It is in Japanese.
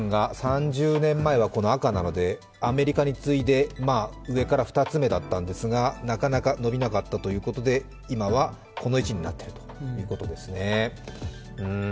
日本が３０年前は赤なのでアメリカに次いで上から２つ目だったんですが、なかなか伸びなかったということで今はこの位置になっているということですね。